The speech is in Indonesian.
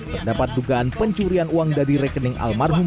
terdapat dugaan pencurian uang dari rekening almarhum